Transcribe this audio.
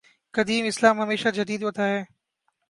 قدیم اسلام ہمیشہ جدید ہوتا ہے۔